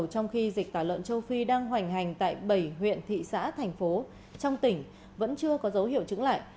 trong khi dịch tả lợn châu phi đang hoành hành tại bảy huyện thị xã thành phố trong tỉnh vẫn chưa có dấu hiệu chứng lại